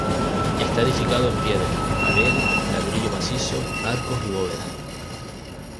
Esta edificado en piedra, paredes, ladrillo macizo, arcos y bóvedas.